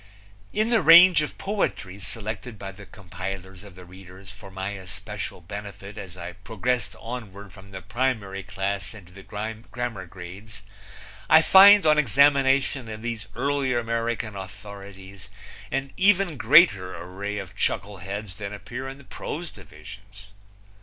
In the range of poetry selected by the compilers of the readers for my especial benefit as I progressed onward from the primary class into the grammar grades I find on examination of these earlier American authorities an even greater array of chuckleheads than appear in the prose divisions.